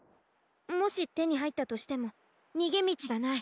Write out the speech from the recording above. もしてにはいったとしてもにげみちがない。